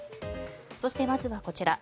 そして、まずはこちら。